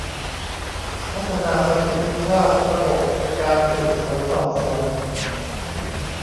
พัฒนาประสิทธิภาพระบบการสืบสวนสอบสวน